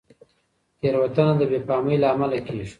تېروتنه د بې پامۍ له امله کېږي.